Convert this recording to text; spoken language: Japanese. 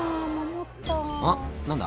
「あっ何だ？